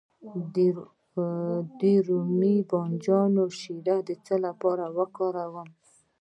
د رومي بانجان شیره د څه لپاره وکاروم؟